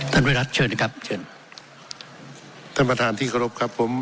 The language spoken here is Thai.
วิรัติเชิญนะครับเชิญท่านประธานที่เคารพครับผม